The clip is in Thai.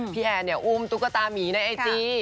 แอนเนี่ยอุ้มตุ๊กตามีในไอจี